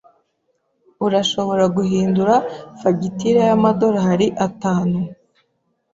Urashobora guhindura fagitire yamadorari atanu?